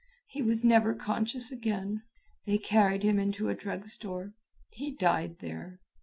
He was never conscious again. They carried him into a drug store. He died there."